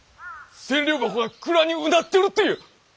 千両箱が蔵にうなってるっていう？